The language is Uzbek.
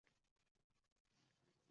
Meni sevib, tunlar orom baxsh etganingiz